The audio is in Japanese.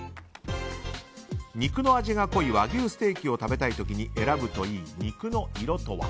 肉の味が濃い和牛ステーキを食べたい時に選ぶといい肉の色とは？